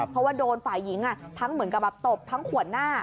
เพราะว่าโดนฝ่ายหญิงทั้งเหมือนกับแบบตบทั้งขวดหน้า